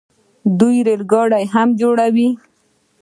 دوی ریل ګاډي هم جوړوي.